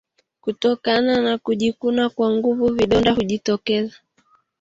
Kutokana na kujikuna kwa nguvu vidonda hujitokeza